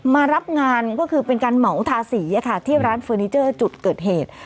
หรือเป็นการเหมาทาศีที่ร้านเฟอร์นิเจอร์จุดเกิดเหตุ